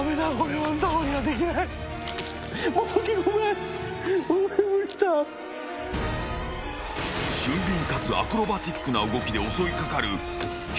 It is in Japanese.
［俊敏かつアクロバティックな動きで襲い掛かる恐怖の］